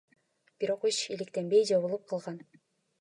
Бирок иш иликтенбей, жабылып калган.